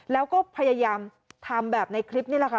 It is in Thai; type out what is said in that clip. แล้วก็พยายามทำแบบในคลิปนี่แหละค่ะ